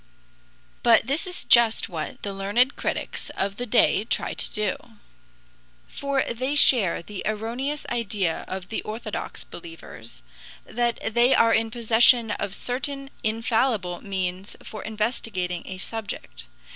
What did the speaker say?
But this is just what the learned critics of the day try to do. For they share the erroneous idea of the orthodox believers that they are in possession of certain infallible means for investigating a subject.